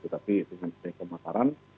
tapi dengan kemasaran